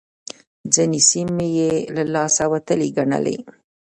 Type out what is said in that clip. ځينې سيمې يې له لاسه وتلې ګڼلې.